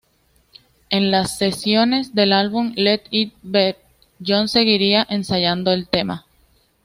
En las sesiones del álbum "Let It Be", John seguiría ensayando el tema.